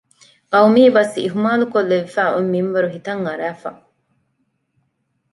ޤައުމީ ބަސް އިހުމާލުކޮށްލެވިފައި އޮތް މިންވަރު ހިތަށް އަރައިފަ